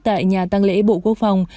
tại nhà tăng lễ bộ quốc phòng